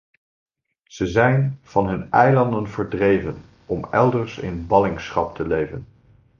Ze zijn van hun eilanden verdreven om elders in ballingschap te leven.